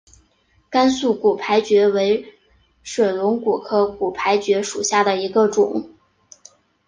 甘肃骨牌蕨为水龙骨科骨牌蕨属下的一个种。